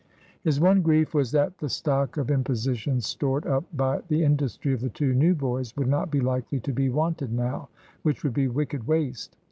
His one grief was that the stock of impositions stored up by the industry of the two new boys would not be likely to be wanted now, which would be wicked waste.